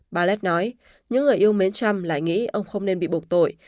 ballett nói những người yêu mến trump lại nghĩ ông không nên bị bục tội